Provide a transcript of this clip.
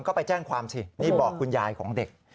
ก็ไปแจ้งความสินี่บอกคุณยายของเด็ก